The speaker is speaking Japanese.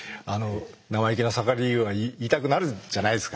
生意気な盛りには言いたくなるじゃないですか。